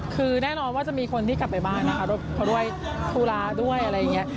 คือแน่นอนว่าจะมีคนที่กลับไปบ้านนะคะเขาด้วยธุระด้วยอะไรอย่างนี้